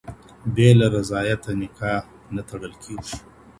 بې له رضایته نکاح نه تړل کیږي.